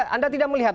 anda tidak melihat